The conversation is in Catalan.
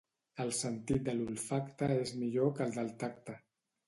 El sentit de l'olfacte és millor que el del tacte.